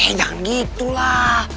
eh jangan gitu lah